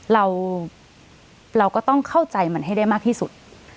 เราก็ต้องเข้าใจมันให้ได้มากที่สุด